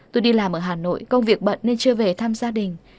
tôi đi làm ở hà nội công việc bận nên chưa về thăm gia đình